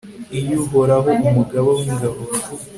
iyo uhoraho, umugaba w'ingabo